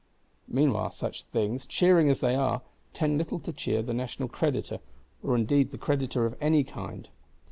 Meanwhile such things, cheering as they are, tend little to cheer the national creditor, or indeed the creditor of any kind.